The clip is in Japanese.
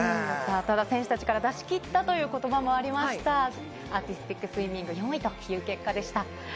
選手たちから出し切ったという言葉もありました、アーティスティックスイミング４位という結果でした。